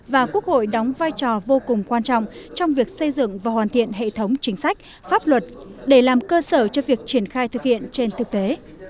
và quốc hội đóng vai trò vô cùng quan trọng trong việc xây dựng và hoàn thiện hệ thống chính sách pháp luật để làm cơ sở cho việc triển khai thực hiện trên thực tế